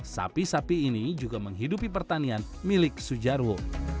sapi sapi ini juga menghidupi pertanian milik sujarwo